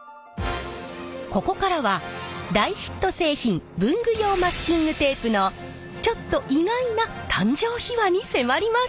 ここからは大ヒット製品文具用マスキングテープのちょっと意外な誕生秘話に迫ります。